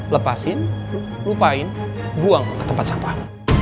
lepasin lupain buang ke tempat sampah